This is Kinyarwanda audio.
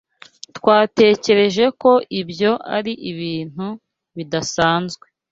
Twatekereje ko ibyo ari ibintu bidasanzwe.